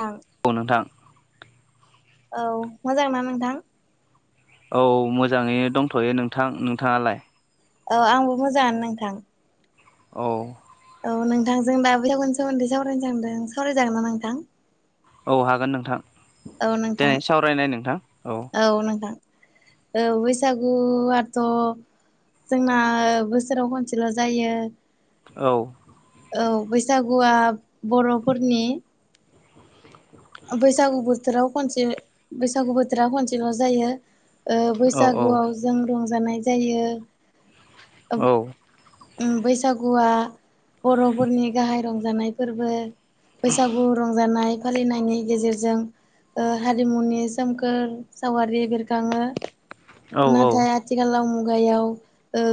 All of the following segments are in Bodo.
आं औ नोंथां। औ मोजां ना नोंथां? औ मोजाङैनो दंथ'यो नोंथां। नोंथाङालाय? औ आंबो मोजाङानो नोंथां। औ। औ नोंथांजों दा बेैसागुनि सोमोन्दै सावरायनो सानदों, सावरायजागोन ना नोंथां? औ हागोन नोंथां औ नोंथां दिनाय सावरायनाय नोंथां औ। औ नोंथां। औ बैसागु आथ' जोंना बोसोराव खनसेल' जायो। औ। औ बैसागुआ बर'फोरनि बैसागु बोथोराव खनसे बैसागु बोथोरा खनसेल' जायो। ओ औ औ बैसागुआव जों रंजानाय जायो। औ। बैसागुआ बर'फोरनि गाहाय रंजानाय फोरबो। बैसागु रंजानाय फालिनायनि गेजेरजों हारिमुनि सोमखोर सावगारि बेरखाङो। औ औ नाथाय आथिखालाव मुगायाव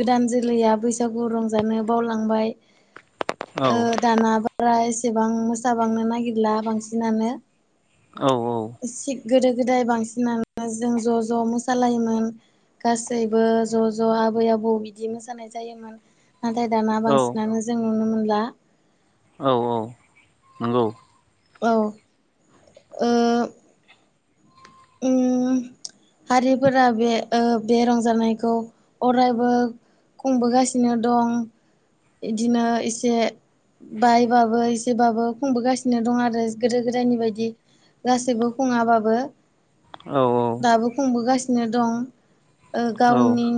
गोदान जोलैया बैसा सागु रंजानो बावलांबाय। औ दाना फ्राय एसेबां मोसाबांनो नागिरला बांसिनानो। औ औ। सि गोदो-गोदाय बांसिनानो जों ज' ज' मोसालायोमोन। गासैबो ज' ज' आबै आबौ बिदि मोसानाय जायोमोन। नाथाय दाना औ बांसिनानो जों नुनो मोनला। औ औ नोंगौ। औ। उम हारिफोरा बे ओ बे रंजानायखौ अरायबो खुंबोगासिनो दं इदिनो एसे बायबाबो एसेबाबो खुंबोगासिनो दं आरो गोदो गोदायनि बायदि गासैबो खुङाबाबो। औ दाबो खुंबोगासिनो दं औ ओ-गावनि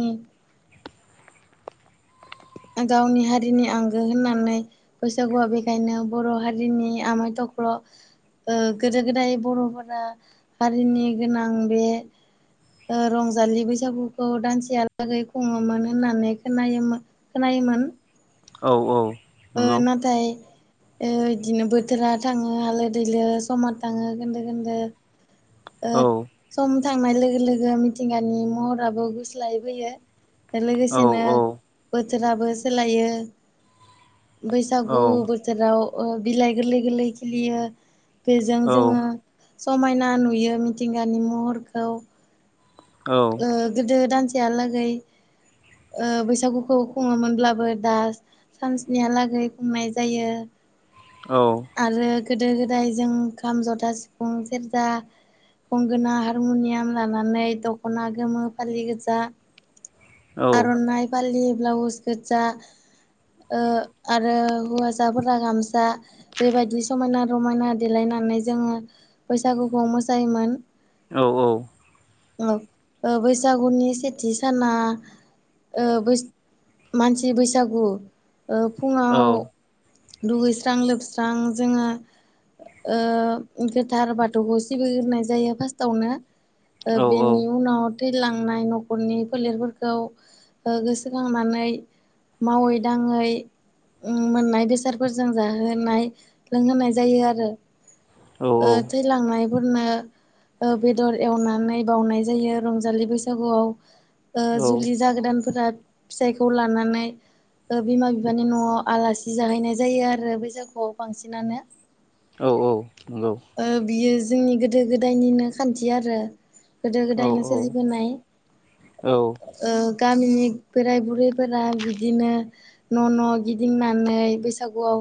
गावनि हारिनि आंगो होननानै। बैसागुआव बेखायनो बर हारिनि आमाइ थख्ल। ओ-गोदो गोदाय बरफोरा हारिनि गोनां बे रंजालि बैसागुखौ दानसेयालागै खुङोमोन होननानै खोनायोमोन। खोनायोमोन औ औ नंगौ ओ-नाथाय ओ-बिदिनो बोथोरा थाङो आलो-दैलो समाव थाङो गोनदो-गोनदो। ओ औ नंगौ औ सम थांनाय लोगो-लोगो मिथिंगानि महराबो गुस्लायबोयो। औ लोगोसेनो बोथोराबो सोलायो बैसागु बोथ- राव बिलाइ गोरलै गोरलै खिलियो बेजों जोङो समायना नु नुयो मिथिंगानि महरखौ ओ गोदो दानसेहालागै ओ-बैसागुखौ खुङोमोनब्लाबो दा सानस्निहालागै खुंनाय जायो। औ आरो गोदो गोदाय जों खाम जथा सिफुं सेरजा। गंगोना हारमुनियाम लानानै दखना गोमो फालि गोजा। आरनाइ फालि ब्लाउस गोजा। ओ-आरो हौवसाफोरा गामसा। बेबायदि समायना-रमायना देलायनानै जोङो बैसागुखौ मोसायोमोन। औ औ औ ओ-बैसागुनि सेथि साना। ओ बै मानसि बैसागु ओ फुङा औ दुगैस्रां लोबस्रां जोङो। गोथार बाथौखौ सिबिग्रोनाय जायो फार्स्टआवनो। बेनि उनाव थैलांनाय नखरनि फोलेरफोरखौ। खौ गोसोखांनानै मावै दाङै। मोननाय बेसादफोरजों जाहोनाय लोंहोनाय जायो आरो। ओ-थैलांनाय फोरनो बेदर एवनानै बावनाय जायो रंजालि बैसागुआव। जुलि जागोदानफोरा फिसाइखौ लानानै। बिमा बिफानि नआव आलासि जाहैनाय जायो आरो बैसागुआव बांसिनानो। औ औ नंगौ ओ-बियो जोंनि गोदो गोदायनिनो खान्थि आरो। गोदो गोदायनो सोलिबोनाय। ओ गामिनि बोराइ-बुरैफोरा बिदिनो। न न गिदिंनानै बैसागुआव।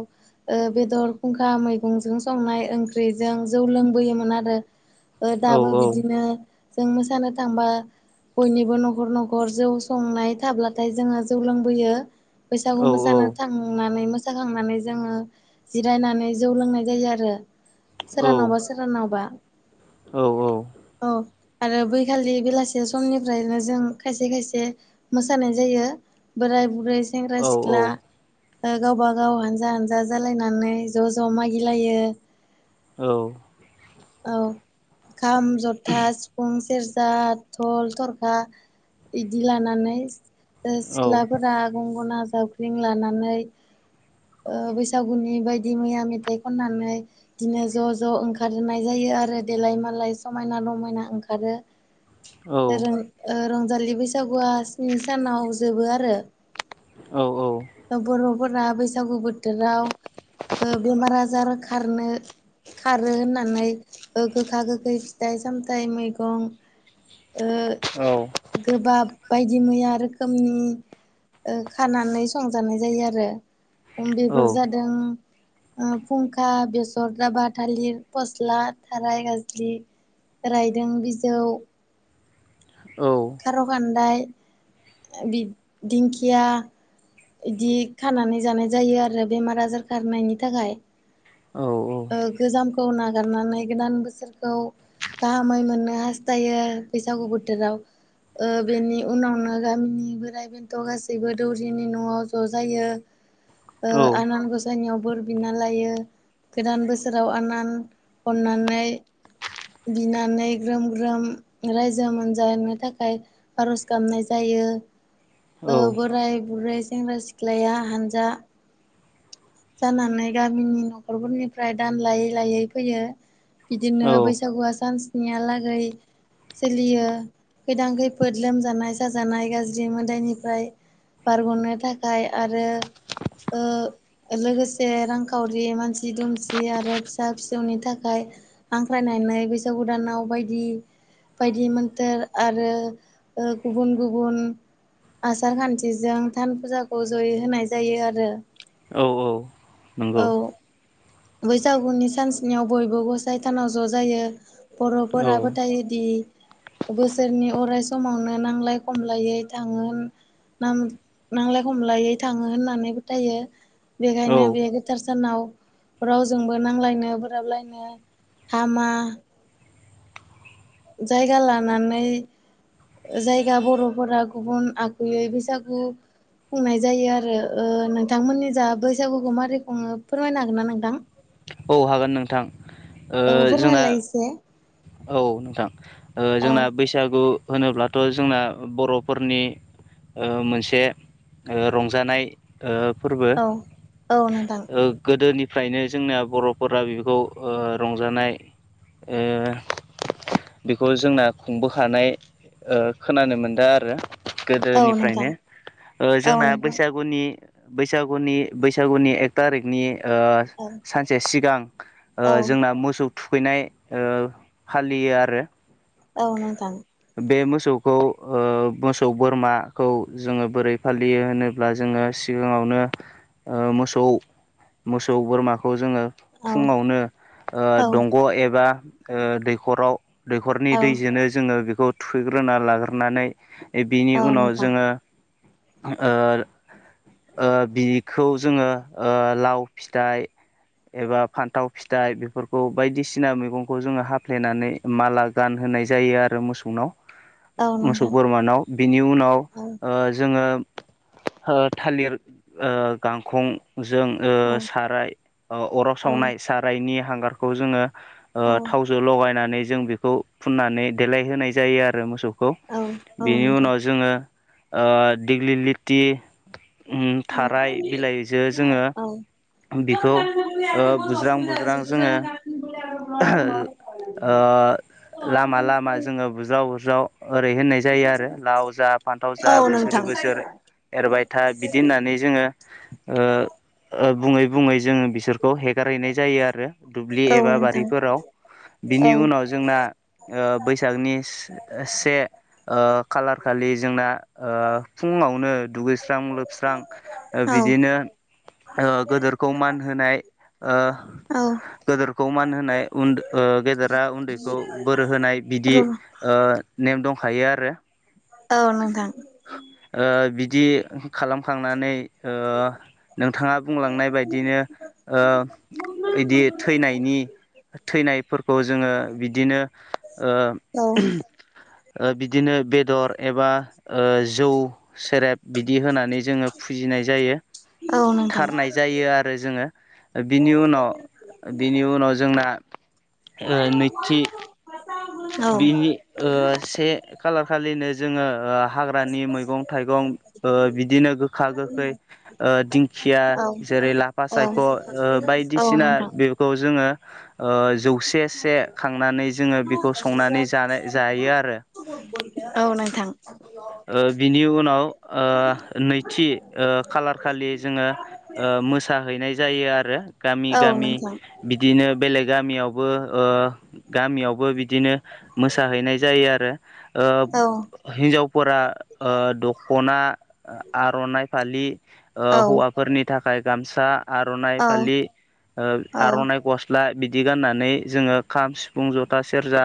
ओ बेदर खुंखा मैगंजों संनाय ओं सुख्रिजों जौ लोंबोयोमोन आरो दाबो बिदिनो। जों मोसानो थांबा। बयनिबो नखर नखर जौ संनाय थाब्लाथाय जोङो जौ लोंबोयो। औ बैसागु औ औ मोसानो थांनानै मो जाखांनानै जोङो जिरायनानै जौ लोंनाय जायो आरो। औ सोरानावबा-सोरानावबा औ औ आरो बैखालि बेलासे समनिफ्रायनो जों खायसे खायसे। मोसानाय जायो बोराय बुरै सेंग्रा सिख्ला। गावबा गाव हानजा हानजा जालायनानै ज' ज' मागिलायो। औ। औ खाम जथा सिफुं सेरजा थल थरखा बिदि लानानै सिख्लाफोरा गंगना जाबख्रिं लानानै ओ बैसागुनि बायदि मैया मेथाइ खननानै बिदिनो ज' ज' ओंखार रोंनाय जायो आरो देलाय मालाय समायना रमायना ओंखारो ओ रंजालि बैसागुआ स्नि सानाव जोबो आरो। औ औ। बर'फोरा बैसागु बोथोराव ओ बेमार आजार खारनो खारो होननानै गोखा गोखै फिथाइ सामथाइ मैगं ओ गोबाब बायदि मैया रोखोमनि खानानै संजानाय जायो आरो अम बेेफोर जादों ओ फुंखा बेसर दाबा थालिर फस्ला थाराय गाज्लि रायदों बिजौ खार' खान्दाय दिंखिया इदि खानानै जानाय जायो आरो बेमार आजार खारनायनि थाखाय औ औ गोजामखौ नागारनानै गोदान बोसोरखौ गाहामै मोननो हास्थायो बैसागु बोथोराव। ओ बेनि उनावनो गामिनि बोराइ थ'' गासैबो दौरिनि न'आव ज' जायो आनान गसानियाव बोर बिना लायो गोदान बोसोराव आनान अननानै बिनानै ग्रोम -ग्रोम रायजो मोनजानो थाखाय थाखाय आर'ज गाबनाय जायो बोराय बुरै सेंग्रा सिख्लाया हानजा जानानै गामिनि न'खरफोरनिफ्राय दान लायै -लायै फैयो औ बिदिनो बैसागुआ सानसनिहालागै सोलियो गोैदां खैफोद लोमजानाय साजानाय गाज्रि मोदायनिफ्राय बारग'नो थाखाय आरो लोगोसे रांखावरि मानसि दुमसि आरो फिसा फिसौनि थाखाय हांख्रायनानै बैसागु गोदानाव बायदि- बायदि मोन थोर आरो गुबुन गुबुन आसार खान्थिजों थान फुजाखौ जयै होनाय जायो आरो। औ औ नंगौ औ बैसागुनि सान स्नियाव बयबो गसाय थानाव ज' जायो औ बर'फोराबोथायोदि बोसोरनि अराय समावनो नांजलाय खमलायै थाङो नांलाय खमलायै थाङो होननानै फोथायो बेखायनो औ बे गोथार सानाव रावजोंबो नांलायनो बोराबलायनो हामा जायगा लानानै जायगा बर'फोरा गुबुन आगुयै बैसागु खुंनाय जायो आरो नोंथांमोननि जा बैसागुखौ मारै खुङो फोरमायनो हागोन ना नोंथां? औ हागोन नोंथां औ जोंना फोरमायलाय एसे औ नोंथां औ जोंना बैसागु होनोब्लाथ' जोंना बर'फोरनि ओ मोनसे ओ रंजानाय फोरबो औ औ नोंथां ओ गोदोनिफ्रायनो जोंना बर'फोरा बेखौ रंजानाय ओ बेखौ जोंना खुंबोखानाय ओ खोनानो मोनदों आरो औ गोदोनिफ्रायनो नोंथां ओ औ जोंना नोंथां बैसा गुनि बैसागुनि बैसागुनि एक थारिकनि ओ ओं सानसे सिगां ओ जोंना मोसौ थुखैनाय ओ फालियो आरो औ नोंथां बे मोसौखौ ओ मोसौ बोरमाखौ जोङो बोरै फालियो होनो ब्ला जोङो सिगाङावनो ओ मोसौ मोसौ बोरमाखौ जोङो औ फुङावनो ओ औ दंग' ओ एबा दैखराव दैखरनि औ दैजोंनो जोङो बेखौ थुखैग्रोना लाग्रोनानै बिनि औ उनाव नोंथां जोङो ओ ओ बिखौ जोङो ओ लाव फिथाइ एबा फान्थाव फिथाइ बेफोरखौ बायदिसिना मैगंखौ जोङो हाफ्लेनानै माला गान होनाय जायो आरो मोसौनाव। औ मोसौ नोंथां बोरमानाव बिनि उनाव औ ओ जोङो ओ थालिर ओ गांखंजों ओ औ साराय अ अराव सावनाय सारायनि हांगारखौ जोङो ओ औ थावजों लगायनानै जों बेखौ फुननानै देलायहोनाय जायो आरो मोसौखौ औ औ बेनि नोंथां उनाव जोङो ओ दिग्लिलिथि उम औ थाराय बिलाइजो जोङो बिखौ ओ बुज्रां बुज्रां जोङो [inaudible] ओ लामा लामा जोङो बुज्राव बुरज्राव ओरै होननाय जायो आरो लाव जा फान्थाव जा औ बोसोर नोंथां बोसोर एरबाय था बिदि होननानै जोङो ओ बुङै बुङै जोङो बिसोर खौ हेगारहैनाय जायो आरो दुब्लि औ एबा नोंथां बारिफोराव औ बिनि उनाव जोंना ओ बैसागनि से ओ खालार खालि जोंना ओ फुंङावनो दुगैस्रां लो स्रां ओ औ बिदिनो ओ गोदोखौ मान होनाय ओ गोदोरखौ मान होनाय उन ओ गेदेरा उन्दैखौ बोर होनाय र' बिदि ओ नेम दंखायो आरो औ नोंथां। ओ बिदि खालामखांनानै ओ नोंथाङा बुंलांनाय बायदिनो ओ इदि थैनायनि थैनायफोरखौ जोङो बिदिनो ओ ओ बिदिनो बेदर एबा ओ जौ सेरेब बिदि होनानै जोङो फुजिनाय जायो। औ औ नोंथां थारनाय जायो आरो जोङो बिनि उनाव बिनि उनाव जोंना ओ नैथि बिनि ओ से खालार औ खालिनो जोङो हाग्रा औ ग्रानि मैगं थाइगं ओ बिदिनो गोखा गोखै ओ दिंखिया जेरै लाफा औ सायख' ओ बायदिसिना नोंथां बे खौ जोङो ओ जौसे से खांनानै औ जोङो बेखौ संनानै जानाय जायो आरो नोंथां ओ बिनि उनाव ओ नैथि ओ खालार खालि जोङो ओ मोसाहैनाय जायो आरो गामि औ गामि नोंथां बिदिनो बेलेग गामियावबो ओ गामियावबो बि दिनो मोसाहैनाय जायो आरो ओ औ हिन्जावफोरा ओ दख'ना आर'नाय फालि औ ओ हौवा फोरनि थाखाय गामसा आर'नाइ औ फालि ओ आर'नाइ गस स्ला बिदि गाननानै जोङो खाम सिफुं जथा सेरजा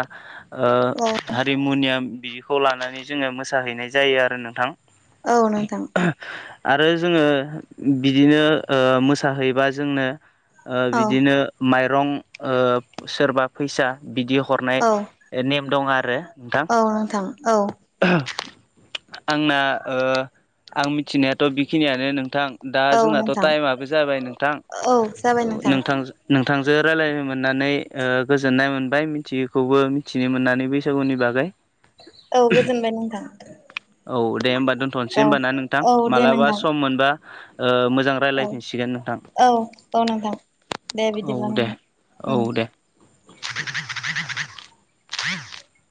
औ हारिमुनियाम बिदिखौ लानानै जोङो मोसाहैनाय जायो आरो नोंथां औ नोंथां आरो जोङो बिदिनो मोसाहैबा जोंनो ओ औ बिदिनो माइरं ओ सोरबा फैसा बिदि हरनाय औ नेम दं आरो औ औ नोंथां आंना ओ आं मिथिनायाथ' बेखिनियानो नोंथां दा औ जोंनाथ' नोंथां टाइमाबो जाबाय नोंथां औ नोंथां थांजों रायलायनो मोननानै ओ गोजोननाय मोनबाय थियि खौबो मिथिनो मोननानै बैसागुनि बागै औ गोजोनबाय नोंथां औ दे होमबा दोनथ'नोसै औ होनबा ना नोंथां औ दे मालाबा नोंथां सम मोनबा मोजां औ रायज्लायफिनसिगोन नोंथां औ औ नोंथां दे औ बिदिब्ला दे नोंथां औ उम दे [inaudible]